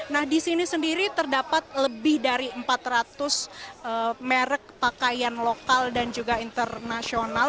nah di sini sendiri terdapat lebih dari empat ratus merek pakaian lokal dan juga internasional